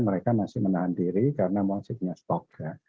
mereka masih menahan diri karena masih punya stok ya